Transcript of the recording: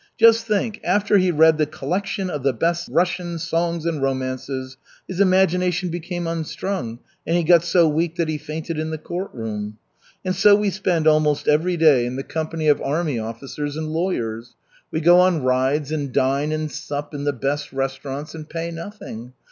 Just think, after he read "The Collection of the Best Russian Songs and Romances," his imagination became unstrung and he got so weak that he fainted in the court room. And so we spend almost every day in the company of army officers and lawyers. We go on rides and dine and sup in the best restaurants, and pay nothing.